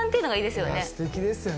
すてきですよね。